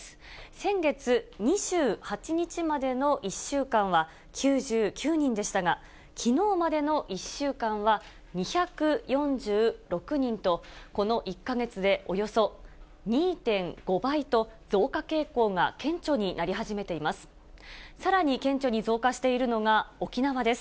先月２８日までの１週間は９９人でしたが、きのうまでの１週間は２４６人と、この１か月でおよそ２．５倍と、増加傾向が顕著になり始めています。